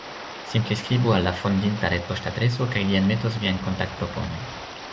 Simple skribu al la fondinta retpoŝtadreso, kaj li enmetos viajn kontaktproponojn.